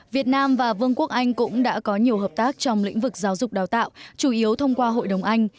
việt nam và vương quốc anh cũng đã có nhiều hợp tác trong lĩnh vực giáo dục đào tạo chủ yếu thông qua hội đồng anh